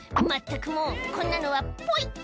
「まったくもうこんなのはポイ！」